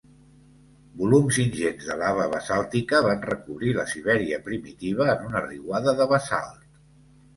Volums ingents de lava basàltica van recobrir la Sibèria primitiva en una riuada de basalt.